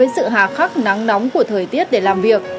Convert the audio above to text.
sự hạ khắc nắng nóng của thời tiết để làm việc